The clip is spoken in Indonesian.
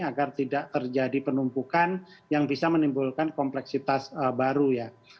agar tidak terjadi penumpukan yang bisa menimbulkan kompleksitas baru ya